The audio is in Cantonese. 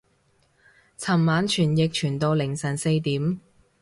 尋晚傳譯傳到凌晨四點